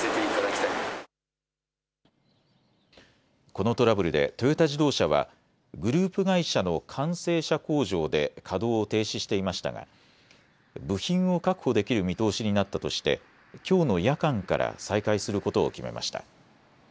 このトラブルでトヨタ自動車はグループ会社の完成車工場で稼働を停止していましたが部品を確保できる見通しになったとしてきょうの夜間から再開することを決めました。